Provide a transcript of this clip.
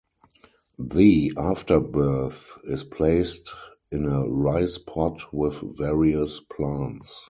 The afterbirth is placed in a rice-pot with various plants.